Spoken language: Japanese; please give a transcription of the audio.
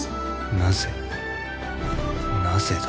なぜなぜだ？